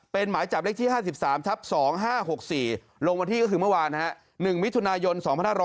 เป็นหมายจับเลขที่๕๓ทับ๒๕๖๔ลงวันที่ก็คือเมื่อวาน๑มิถุนายน๒๕๖๐